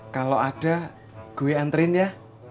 kalau ada gue antren ya